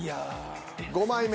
５枚目。